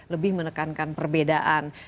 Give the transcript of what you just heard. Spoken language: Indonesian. lebih menekankan perbedaan